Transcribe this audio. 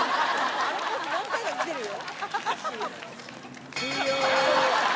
あのポーズ何回かきてるよ。